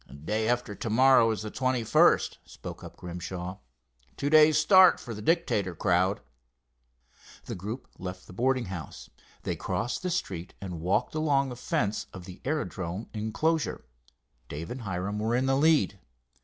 "Day after to morrow is the twenty first," spoke up Grimshaw. "Two days' start for the Dictator crowd." The group left the boarding house. They crossed the street and walked along the fence of the aerodrome enclosure. Dave and Hiram were in the lead.